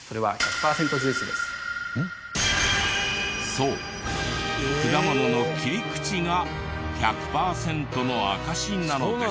そう果物の切り口が１００パーセントの証しなのです。